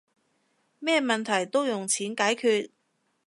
咩問題都用錢解決